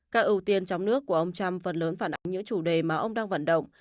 các ưu tiên trong nước của ông trump phần lớn phản ánh những chủ đề mà ông đang vận động